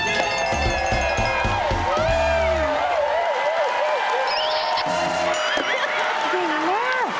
เยี่ยมมาก